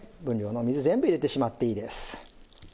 分量の水全部入れてしまっていいです。